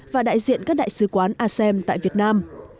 và đại diện các đại sứ quán asem tại việt nam